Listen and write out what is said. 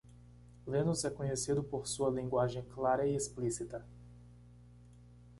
Linus é conhecido por sua linguagem clara e explícita.